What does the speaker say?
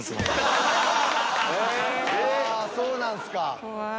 そうなんすか。